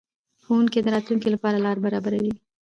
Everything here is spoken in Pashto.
ښوونځی د راتلونکي لپاره لار برابروي